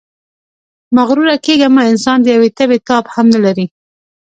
مغروره کېږئ مه، انسان د یوې تبې تاب هم نلري.